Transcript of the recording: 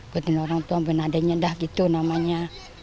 buatan orang tua buatan adiknya dah gitu namanya